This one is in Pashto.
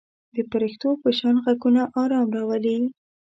د پرښتو په شان غږونه آرام راولي.